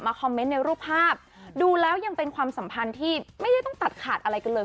คอมเมนต์ในรูปภาพดูแล้วยังเป็นความสัมพันธ์ที่ไม่ได้ต้องตัดขาดอะไรกันเลย